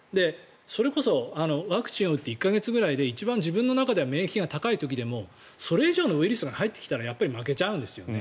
それこそワクチンを打って１か月ぐらいで一番自分の中でも免疫が高い時でもそれ以上のウイルスが入ってきたらやっぱり負けちゃうんですね。